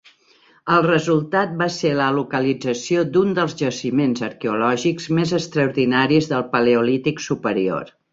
El resultat va ser la localització d'un dels jaciments arqueològics més extraordinaris del paleolític superior.